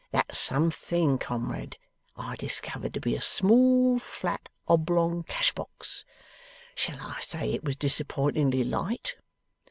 That something, comrade, I discovered to be a small flat oblong cash box. Shall I say it was disappointingly light?